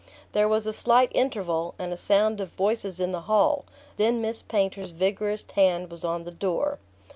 There was a slight interval, and a sound of voices in the hall; then Miss Painter's vigorous hand was on the door.